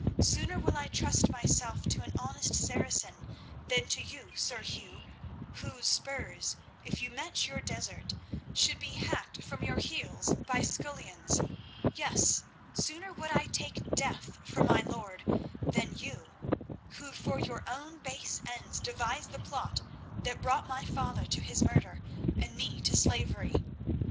"Sooner will I trust myself to an honest Saracen than to you, Sir Hugh, whose spurs, if you met your desert, should be hacked from your heels by scullions. Yes, sooner would I take death for my lord than you, who for your own base ends devised the plot that brought my father to his murder and me to slavery.